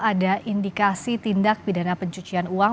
ada indikasi tindak pidana pencucian uang